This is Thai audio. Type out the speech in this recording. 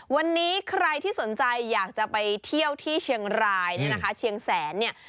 วันนี้ใครที่สนใจอยากจะไปเที่ยวที่เชียงรายเนี่ยนะคะเชียงแสนเนี่ย